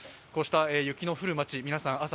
こうした雪の降る町、皆さん